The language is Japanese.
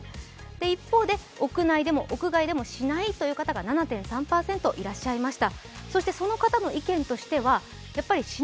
一方で屋内でも屋外でもしないという方が７．３％いました。